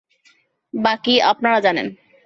বাকি, আপনারা জানেন।